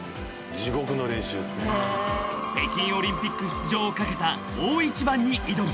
［北京オリンピック出場を懸けた大一番に挑む］